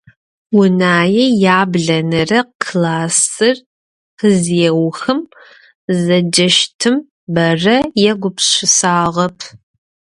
Унае яблэнэрэ классыр къызеухым, зэджэщтым бэрэ егупшысагъэп.